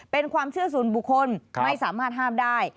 เป็นความเชื่อส่วนบุคคลไม่สามารถห้ามได้